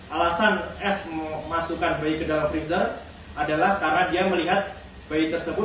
alasan s memasukkan bayi ke dalam freezer adalah karena dia melihat bayi tersebut